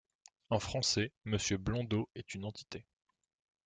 En français, Monsieur Blondeau est une entité.